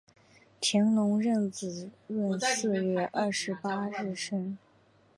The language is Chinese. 乾隆壬子闰四月二十八日生。